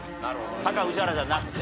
タカ宇治原じゃなくね。